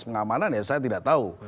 pengamanan ya saya tidak tahu